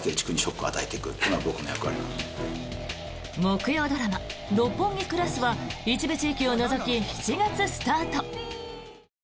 木曜ドラマ「六本木クラス」は一部地域を除き、７月スタート！